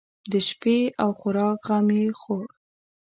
د شپې او خوراک غم یې خوړ.